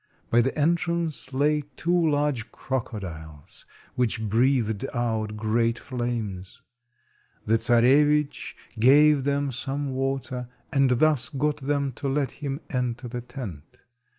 By the entrance lay two large crocodiles which breathed out great flames. The Czarewitch gave them some water, and thus got them to let him enter the tent.